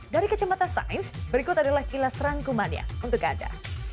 dari kecematan sains berikut adalah ilas rangkumannya untuk anda